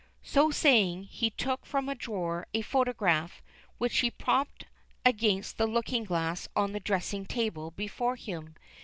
So saying, he took from a drawer a photograph, which he propped against the looking glass on the dressing table before him.